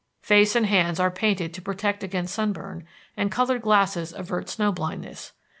Face and hands are painted to protect against sunburn, and colored glasses avert snow blindness.